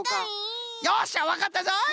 よっしゃわかったぞい！